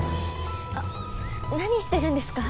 あ何してるんですか？